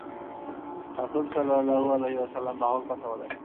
রাসূল সাল্লাল্লাহু আলাইহি ওয়াসাল্লাম বাহুর কথা বলেন।